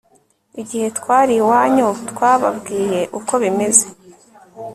igihe twari iwanyu twababwiye uko bimeze